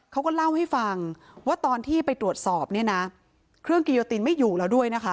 เขาก็เล่าให้ฟังว่าตอนที่ไปตรวจสอบเนี่ยนะเครื่องกิโยตินไม่อยู่แล้วด้วยนะคะ